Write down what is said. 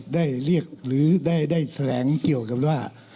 ได้เรียกหรือได้แถลงเกี่ยวกับว่า